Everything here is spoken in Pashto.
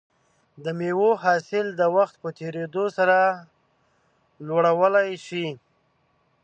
د مېوو حاصل د وخت په تېریدو سره لوړولی شي.